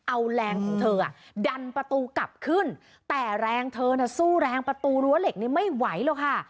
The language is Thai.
เอาแรงของเธอดันประตูกลับขึ้นแต่แรงเธอน่ะสู้แรงประตูรั้วเหล็กนี้ไม่ไหวหรอกค่ะ